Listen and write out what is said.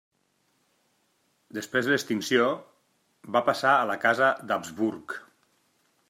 Després de l'extinció va passar a la casa d'Habsburg.